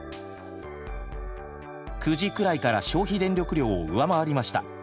９時くらいから消費電力量を上回りました。